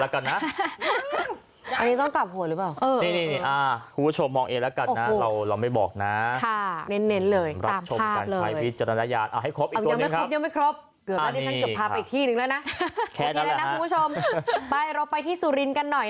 คุณผู้ชมมองเองละกันนะเราไม่บอกนะ